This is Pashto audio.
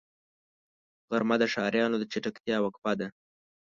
غرمه د ښاريانو د چټکتیا وقفه ده